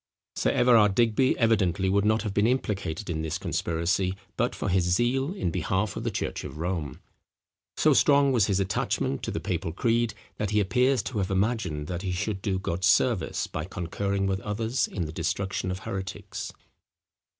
Sir Everard Digby evidently would not have been implicated in this conspiracy, but for his zeal in behalf of the church of Rome. So strong was his attachment to the papal creed, that he appears to have imagined that he should do God service by concurring with others in the destruction of heretics.